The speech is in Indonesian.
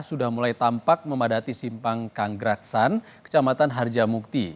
sudah mulai tampak memadati simpang kanggraksan kecamatan harjamukti